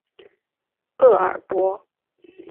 厄尔伯。